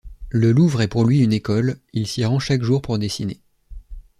Le Louvre est pour lui une école, il s’y rend chaque jour pour dessiner.